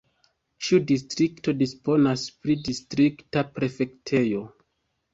Ĉiu distrikto disponas pri distrikta prefektejo.